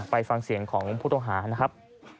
ไปฟังเสียงของพุทธโอหานะครับ